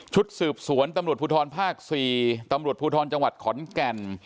สืบสวนตำรวจภูทรภาค๔ตำรวจภูทรจังหวัดขอนแก่น